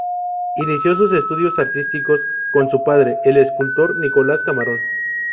Inició sus estudios artísticos con su padre, el escultor Nicolás Camarón.